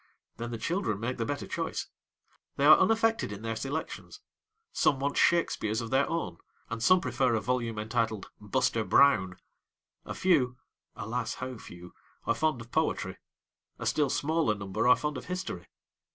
then the children make the better choice. They are unaffected in their selections; some want Shakespeares of their own, and some prefer a volume entitled Buster Brown. A few alas, how few! are fond of poetry; a still smaller number are fond of history.